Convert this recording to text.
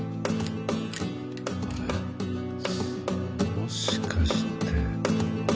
もしかして。